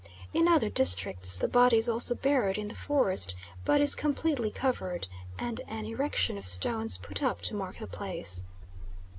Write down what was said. In other districts the body is also buried in the forest, but is completely covered and an erection of stones put up to mark the place.